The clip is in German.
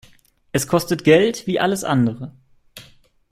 Es kostet Geld wie alles andere.